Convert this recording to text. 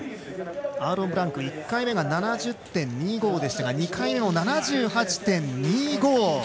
アーロン・ブランク１回目が７０．２５でしたが２回目も７８．２５。